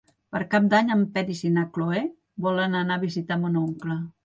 Per Cap d'Any en Peris i na Cloè volen anar a visitar mon oncle.